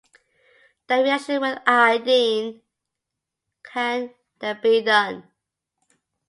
The reaction with iodine can the be done.